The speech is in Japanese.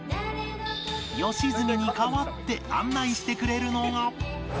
良純に代わって案内してくれるのが